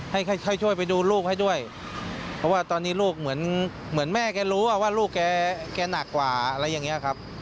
ให้ช่วยไปดูลูกให้ด้วยเพราะว่าตอนนี้ลูกเหมือนเหมือนแม่แกรู้ว่าลูกแกหนักกว่าอะไรอย่างนี้ครับ